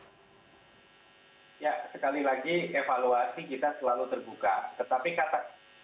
ya sekali lagi evaluasi kita selalu terbuka tetapi kata